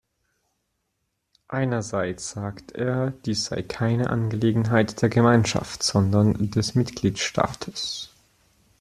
Einerseits sagt er, dies sei keine Angelegenheit der Gemeinschaft, sondern des Mitgliedstaates.